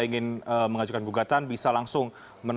ingin mengajukan gugatan bisa langsung